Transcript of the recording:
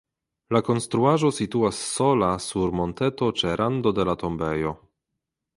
La konstruaĵo situas sola sur monteto ĉe rando de la tombejo.